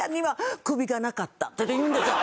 って言うんですよ。